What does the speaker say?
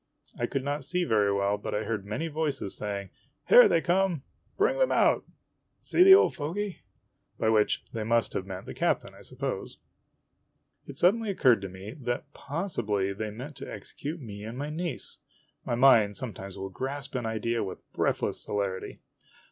I could not see very well, but I heard many voices saying, " Here they come !" "Bring them out !' "See the old fogy! " by which they must have meant the captain, I suppose. It suddenly occurred to me that possibly they meant to exe cute me and my niece. My mind sometimes will grasp an idea with breathless celerity.